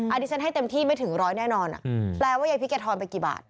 อันนี้ฉันให้เต็มที่ไม่ถึงร้อยแน่นอนแปลว่ายายพริกแกทอนไปกี่บาท